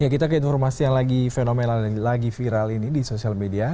kita ke informasi yang lagi fenomenal dan lagi viral ini di sosial media